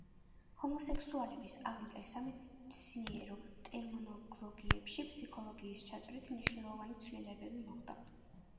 ჰომოსექსუალების აღმწერ სამეცნიერო ტერმინოლოგიაში ფსიქოლოგიის ჩაჭრით მნიშვნელოვანი ცვლილებები მოხდა.